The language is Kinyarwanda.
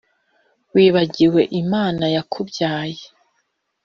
wibagiwe imana yakubyaye.